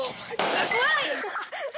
怖い！